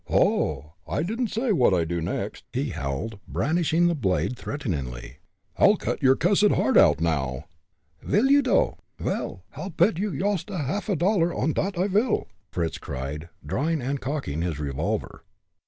"Oho! I didn't say what I'd do next!" he howled, brandishing the blade, threateningly. "I'll cut your cussed heart out now." "Vil you, dough? Vel, I'll pet you yoost apout a half dollar, on dot, I vil!" Fritz cried, drawing and cocking his revolver.